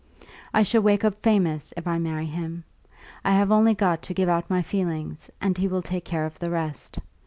I shall wake up famous, if I marry him; I have only got to give out my feelings, and he will take care of the rest.